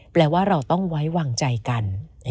แปลว่าเราต้องไว้วางใจกัน